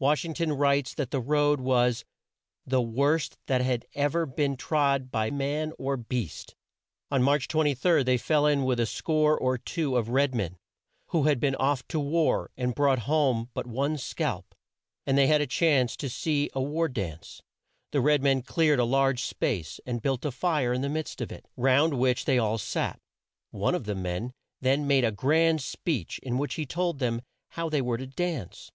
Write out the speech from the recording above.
Wash ing ton writes that the road was "the worst that had ever been trod by man or beast." On March 23, they fell in with a score or two of red men who had been off to war and brought home but one scalp, and they had a chance to see a war dance. The red men cleared a large space, and built a fire in the midst of it, round which they all sat. One of the men then made a grand speech in which he told them how they were to dance.